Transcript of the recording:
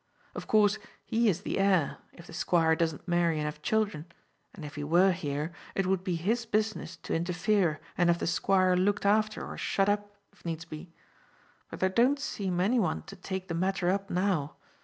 Of course, he is the heir, if the Squire doesn't marry and have children, and if he were here it would be his business to interfere and have the Squire looked after or shut up if needs be; but there don't seem any one to take the matter up now.